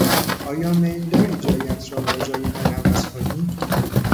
آیا میل داری جایت را با جای من عوض کنی؟